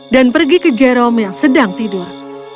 dan pergi ke jerome yang sedang tidur